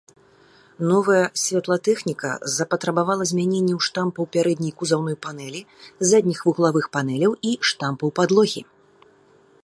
Новая святлатэхніка запатрабавала змяненняў штампаў пярэдняй кузаўной панэлі, задніх вуглавых панэляў і штампаў падлогі.